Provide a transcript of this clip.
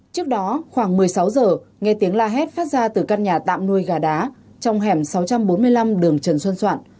trước đó khoảng một mươi sáu giờ nghe tiếng la hét phát ra từ căn nhà tạm nuôi gà đá trong hẻm sáu trăm bốn mươi năm đường trần xuân soạn